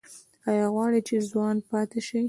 ایا غواړئ چې ځوان پاتې شئ؟